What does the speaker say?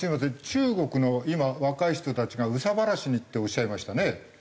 中国の今若い人たちが「憂さ晴らしに」っておっしゃいましたね。